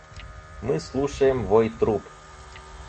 Мы слушаем вой труб.